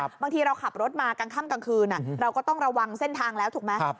บางทีเราขับรถมากลางค่ำกลางคืนเราก็ต้องระวังเส้นทางแล้วถูกไหม